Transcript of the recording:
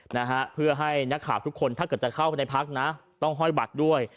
นะฮะเพื่อให้นักข่าวทุกคนถ้าเกิดจะเข้าไปในพักนะต้องห้อยบัตรด้วย